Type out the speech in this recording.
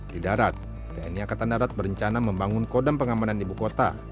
di darat tni angkatan darat berencana membangun kodam pengamanan ibu kota